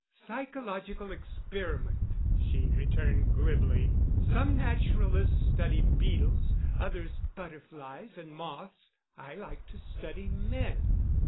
"Psychological experiment," she returned glibly. "Some naturalists study beetles, others butterflies and moths. I like to study men."